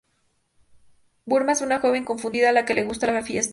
Burma es una joven confundida a la que le gusta la fiesta.